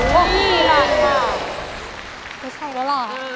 ไม่ใช่แล้วล่ะ